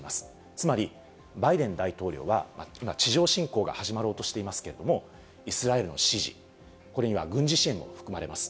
つまり、バイデン大統領は地上侵攻が始まろうとしていますけれども、イスラエルの支持、これには軍事支援も含まれます。